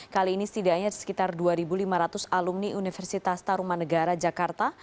kali ini setidaknya sekitar dua lima ratus alumni universitas taruman negara jakarta